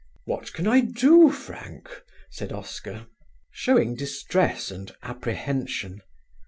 "What can I do, Frank?" said Oscar, showing distress and apprehension.